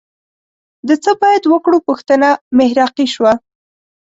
د څه باید وکړو پوښتنه محراقي شوه